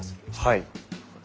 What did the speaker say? はい。